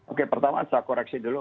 oke pertama saya koreksi dulu